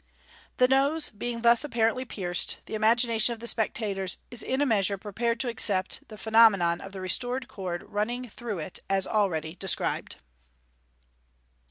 The nose being thus apparently pierced, the imagination of the spectators is in a measure prepared to accept the MODERN MAGIC. 333 phenomenon of the restored cord running through it as already desctibed.